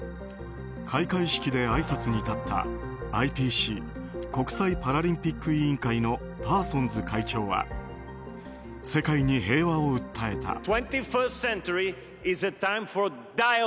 開会式であいさつに立ったＩＰＣ・国際パラリンピック委員会のパーソンズ会長は世界に平和を訴えた。